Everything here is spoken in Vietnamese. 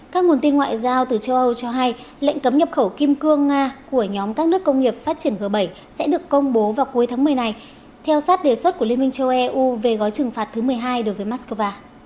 các nguồn tin ngoại giao từ châu âu cho hay lệnh cấm nhập khẩu kim cương nga của nhóm các nước công nghiệp phát triển g bảy sẽ được công bố vào cuối tháng một mươi này theo sát đề xuất của liên minh châu âu về gói trừng phạt thứ một mươi hai đối với moscow